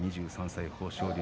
２３歳、豊昇龍